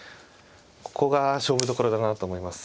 ここが勝負どころだなと思います。